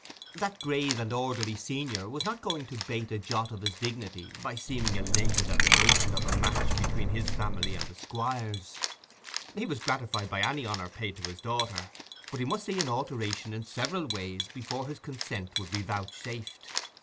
That grave and orderly senior was not going to bate a jot of his dignity by seeming elated at the notion of a match between his family and the Squire's: he was gratified by any honour paid to his daughter; but he must see an alteration in several ways before his consent would be vouchsafed.